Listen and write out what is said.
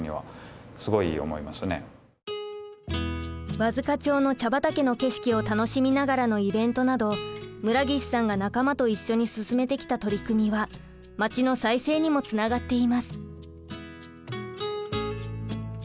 和束町の茶畑の景色を楽しみながらのイベントなど村岸さんが仲間と一緒に進めてきた取り組みはまちの再生にもつながっています。